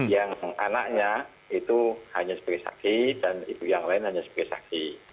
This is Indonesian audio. yang anaknya itu hanya sebagai saksi dan ibu yang lain hanya sebagai saksi